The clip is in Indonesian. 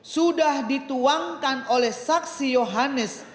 sudah dituangkan oleh saksi yohanes